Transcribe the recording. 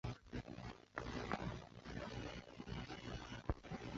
头也不回